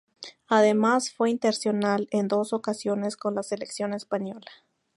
Además, fue internacional en dos ocasiones con la selección española.